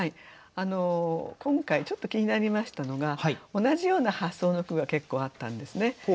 今回ちょっと気になりましたのが同じような発想の句が結構あったんですね。